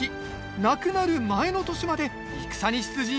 亡くなる前の年まで戦に出陣していました